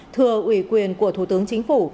thừa ủy quyền của thủ tướng chính phủ